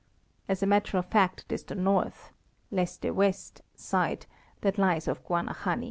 As a matter of fact it is the north (Leste Oueste) side that lies off Guanahani.